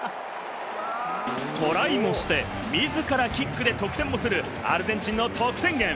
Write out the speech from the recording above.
トライもして、自らキックで得点もするアルゼンチンの得点源。